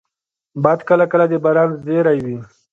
باد کله کله د باران زېری وي